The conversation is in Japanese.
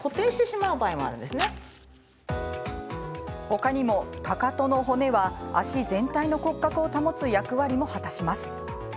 ほかにも、かかとの骨は足全体の骨格を保つ役割も果たします。